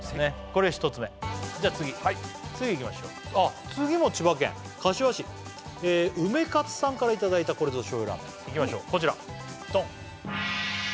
これ１つ目じゃ次次いきましょうあっ次も千葉県柏市うめかつさんからいただいたこれぞ醤油ラーメンいきましょうこちらドン！